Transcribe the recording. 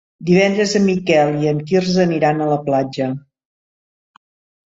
Divendres en Miquel i en Quirze aniran a la platja.